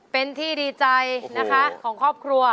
เป็นที่ดีใจนะคะของครอบครัว